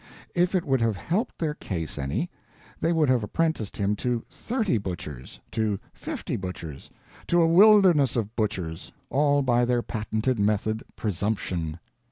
If it would have helped their case any, they would have apprenticed him to thirty butchers, to fifty butchers, to a wilderness of butchers—all by their patented method "presumption."